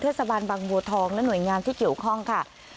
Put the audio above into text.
สะพานบางบัวทองและหน่วยงานที่เกี่ยวข้องค่ะ